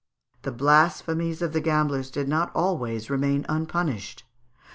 The blasphemies of the gamblers did not always remain unpunished.